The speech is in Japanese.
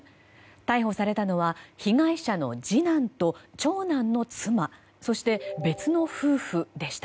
逮捕されたのは被害者の次男と長男の妻そして、別の夫婦でした。